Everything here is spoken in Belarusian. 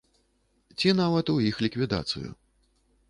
Ці нават у іх ліквідацыю.